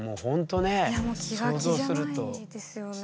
いやもう気が気じゃないですよね。